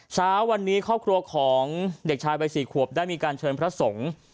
เช้าวันนี้ครอบครัวของเด็กชายวัย๔ขวบได้มีการเชิญพระสงฆ์